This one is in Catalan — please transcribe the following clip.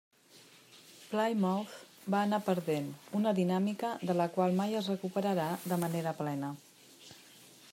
Plymouth va anar perdent, una dinàmica de la qual mai es recuperarà de manera plena.